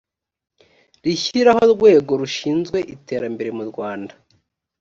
rishyiraho rwego rushinzwe iterambere mu rwanda